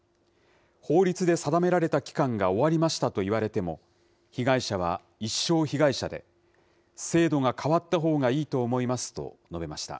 法律で定められた期間が終わりましたと言われても、被害者は一生被害者で、制度が変わったほうがいいと思いますと述べました。